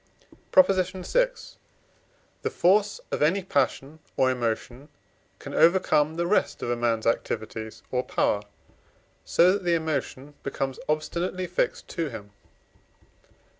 PROP. VI. The force of any passion or emotion can overcome the rest of a man's activities or power, so that the emotion becomes obstinately fixed to him.